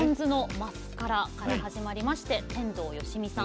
「マスカラ」から始まりまして天童よしみさん。